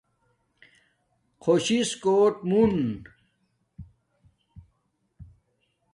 خوش سس کوٹ مون